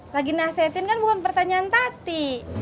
lagi nasihatin kan bukan pertanyaan tati